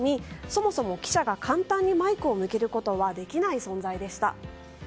そもそも記者が簡単にマイクを向けることはできない存在でした。